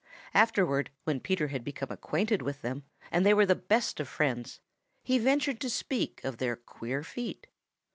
Afterward, when Peter had become acquainted with them and they were the best of friends, he ventured to speak of their queer feet.